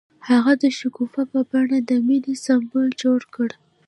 هغه د شګوفه په بڼه د مینې سمبول جوړ کړ.